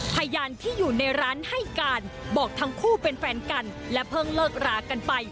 พยานที่อยู่ในร้านให้การบอกทั้งคู่เป็นแฟนกันและเพิ่งเลิกรากันไป